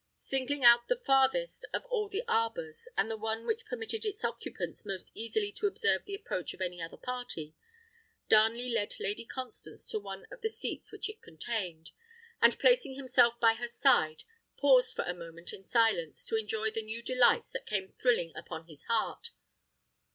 Singling out the farthest of all the arbours, and the one which permitted its occupants most easily to observe the approach of any other party, Darnley led Lady Constance to one of the seats which it contained, and placing himself by her side, paused for a moment in silence, to enjoy the new delights that came thrilling upon his heart.